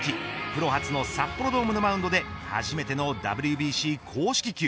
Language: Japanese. プロ初の札幌ドームのマウンドで初めてのＷＢＣ公式球。